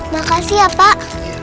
makasih ya pak